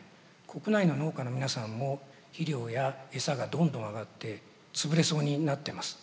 国内の農家の皆さんも肥料やエサがどんどん上がって潰れそうになってます。